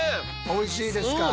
おいしいですか？